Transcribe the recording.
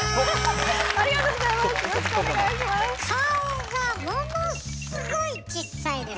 ありがとうございます！